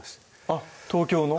あっ東京の？